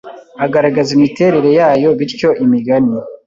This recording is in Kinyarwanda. agaragaza imiterere yayo bityo imigani